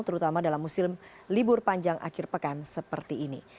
terutama dalam musim libur panjang akhir pekan seperti ini